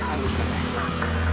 saya kesan dulu